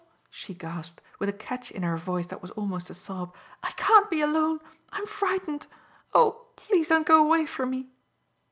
she gasped, with a catch in her voice that was almost a sob, "I can't be alone! I am frightened. Oh! Please don't go away from me!"